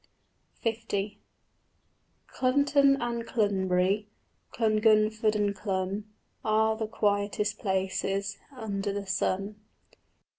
L _ Clunton and Clunbury, Clungunford and Clun, Are the quietest places Under the sun.